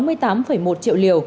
mũi ba trên một mươi triệu liều